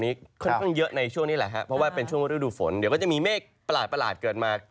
เพราะว่าเป็นช่วงวันฤดูฝนเดี๋ยวก็จะมีเมฆประหลาดเกิดมา